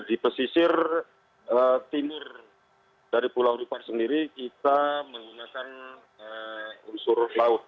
di pesisir timur dari pulau rupar sendiri kita menggunakan unsur laut